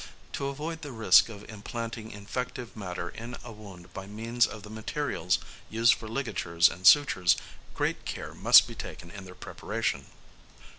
_ To avoid the risk of implanting infective matter in a wound by means of the materials used for ligatures and sutures, great care must be taken in their preparation.